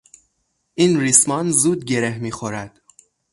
این ریسمان زود گره میخورد.